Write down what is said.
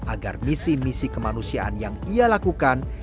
agar misi misi kemanusiaan yang ia lakukan